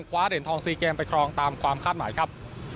คว้าเหรียญทอง๔เกมไปครองตามความคาดหมายครับ